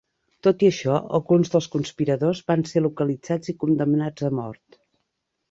Tot i això, alguns dels conspiradors van ser localitzats i condemnats a mort.